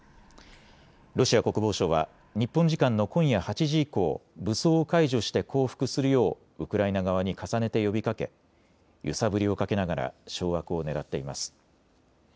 ロシア国防省は日本時間の今夜８時以降、武装を解除して降伏するようウクライナ側に重ねて呼びかけ揺さぶりをかけながら掌握をねらっています。